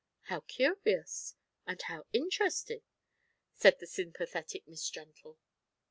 "How curious and how interesting," said the sympathetic Miss Gentle.